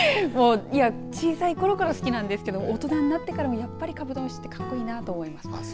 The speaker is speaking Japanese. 小さいころから好きなんですけど大人になってからもやっぱりカブトムシって格好いいなと思います。